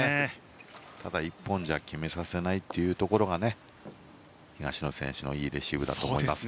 ただ、１本じゃ決めさせないというところが東野選手のいいレシーブだったと思います。